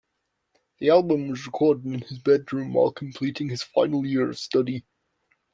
The album was recorded in his bedroom while completing his final year of study.